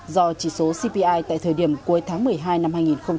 do chỉ số cpi tại thời điểm cuối tháng một mươi hai năm hai nghìn một mươi chín